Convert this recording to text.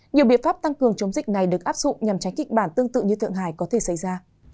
nhiều biện pháp tăng cường chống dịch này được áp dụng nhằm tránh kịch bản tương tự như thượng hải có thể xảy ra